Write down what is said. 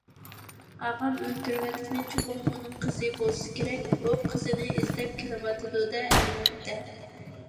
ئاغام ئۆلتۈرۈۋەتكىنى چوقۇم ئۇنىڭ قىزى بولسا كېرەك. ئۇ قىزىنى ئىزدەپ كېلىۋاتىدۇ - دە، ئەلۋەتتە!